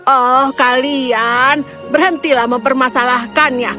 oh kalian berhentilah mempermasalahkannya